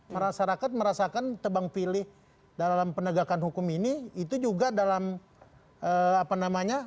masyarakat merasakan tebang pilih dalam penegakan hukum ini itu juga dalam apa namanya